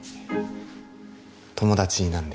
友達なんで